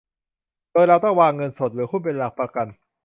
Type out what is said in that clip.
โดยเราต้องวางเงินสดหรือหุ้นเป็นหลักประกัน